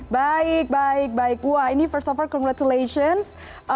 baik baik baik wah ini first of all congratulations